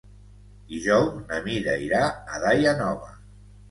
Dijous na Mira irà a Daia Nova.